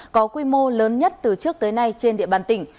có quy mô lớn nhất từ trước tới nay trên địa bàn tỉnh